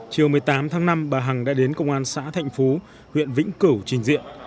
chiều một mươi tám tháng năm bà hằng đã đến công an xã thạnh phú huyện vĩnh cửu trình diện